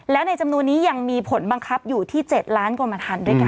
แล้วในจำนวนนี้ยังมีผลบังคับอยู่ที่๗ล้านกรมทันด้วยกัน